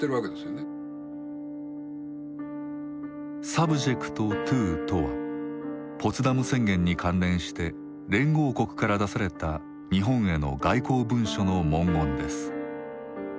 「ｓｕｂｊｅｃｔｔｏ」とはポツダム宣言に関連して連合国から出された日本への外交文書の文言です。